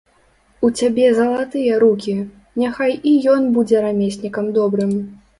У цябе залатыя рукі, няхай і ён будзе рамеснікам добрым.